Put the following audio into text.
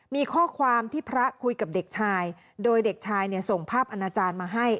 มีข้อความที่พระคุยกับเด็กชายโดยเด็กชายเนี่ยส่งภาพอนาจารย์มาให้